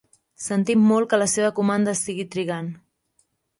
Sentim molt que la seva comanda estigui trigant.